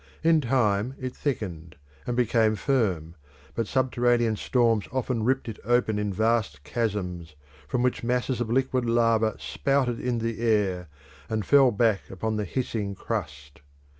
In time it thickened and became firm, but subterranean storms often ripped it open in vast chasms, from which masses of liquid lava spouted in the air, and fell back upon the hissing crust.